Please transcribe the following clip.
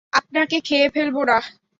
আপনাকে খেয়ে ফেলবো না।